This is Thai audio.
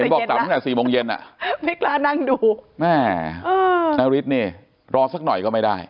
เห็นบอกตามตั้งแต่๔โมงเย็นไม่กล้านั่งดูนาริสต์นี่รอสักหน่อยก็ไม่ได้